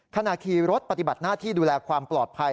ขณะขี่รถปฏิบัติหน้าที่ดูแลความปลอดภัย